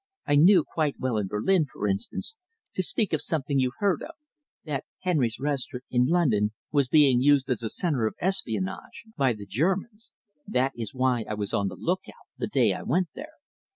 I knew quite well in Berlin, for instance, to speak of something you've heard of, that Henry's Restaurant in London was being used as a centre of espionage by the Germans. That is why I was on the lookout, the day I went there."